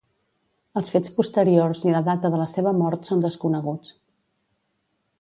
Els fets posteriors i la data de la seva mort són desconeguts.